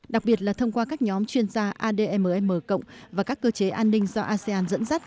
đặc biệt là thông qua các nhóm chuyên gia admm cộng và các cơ chế an ninh do asean dẫn dắt